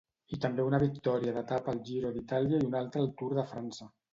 I també una victòria d'etapa al Giro d'Itàlia i una altra al Tour de França.